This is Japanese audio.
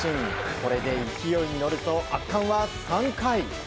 これで勢いに乗ると圧巻は３回。